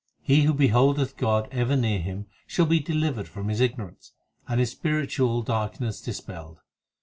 He who beholdeth God ever near him, Shall be delivered from his ignorance, and his spiritual darkness dispelled.